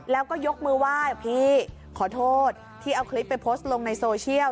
แล้วก็ยกมือไหว้พี่ขอโทษที่เอาคลิปไปโพสต์ลงในโซเชียล